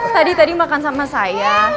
tadi tadi makan sama saya